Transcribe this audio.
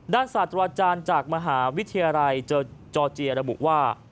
ศาสตราจารย์จากมหาวิทยาลัยจอร์เจียระบุว่า